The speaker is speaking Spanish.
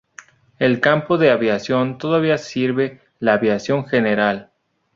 El campo de aviación todavía sirve la aviación general.